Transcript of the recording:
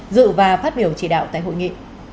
dự và phát biểu chỉ đạo tại hội nghị